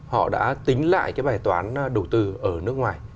họ đã tính lại cái bài toán đầu tư ở nước ngoài